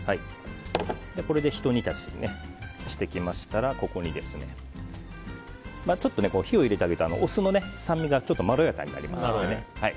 これでひと煮立ちしてきましたらちょっと火を入れてあげるとお酢の酸味がまろやかになりますのでね。